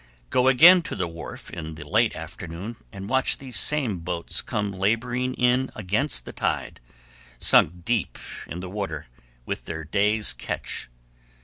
Go again to the wharf in the late afternoon, and watch these same boats come laboring in against the tide, sunk deep in the water with their day's catch.